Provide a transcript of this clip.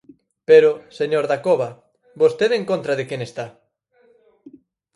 Pero, señor Dacova, ¿vostede en contra de quen está?